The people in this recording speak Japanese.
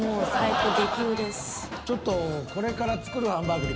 ちょっとこれから作るハンバーグ